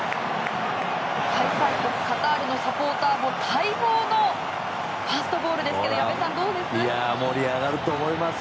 開催国カタールのサポーターも待望のファーストゴールですが矢部さん、どうです？